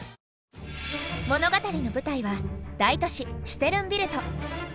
物語の舞台は大都市シュテルンビルト。